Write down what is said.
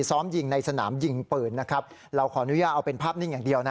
ซ้อมยิงในสนามยิงปืนนะครับเราขออนุญาตเอาเป็นภาพนิ่งอย่างเดียวนะ